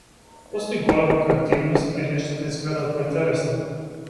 Постои голема креативност, а и нештата изгледаат поинтересно.